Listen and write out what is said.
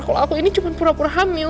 kalau aku ini cuma pura pura hamil